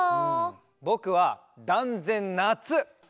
ぼくはだんぜんなつ！